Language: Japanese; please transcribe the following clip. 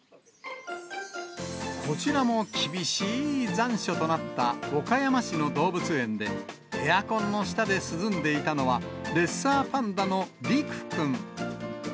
こちらも厳しい残暑となった岡山市の動物園で、エアコンの下で涼んでいたのは、レッサーパンダの陸くん。